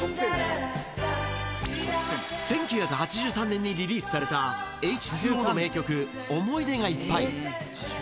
１９８３年にリリースされた、Ｈ２Ｏの名曲、想い出がいっぱい。